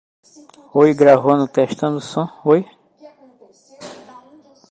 A moeda em Portugal é o Euro, enquanto que no Brasil é o Real.